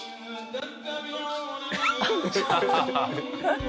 ハハハハッ！